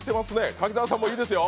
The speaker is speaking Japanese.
柿澤さんもいいですよ。